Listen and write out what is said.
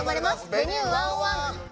「Ｖｅｎｕｅ１０１」。